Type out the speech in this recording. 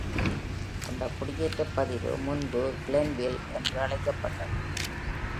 அந்த குடியேற்றப் பகுதி முன்பு Glenville என்றும் அழைக்கப்பட்டது.